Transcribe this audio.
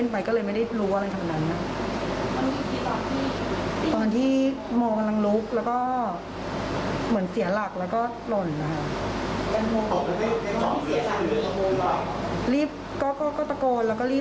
นอนเล่นมือถือก็จะได้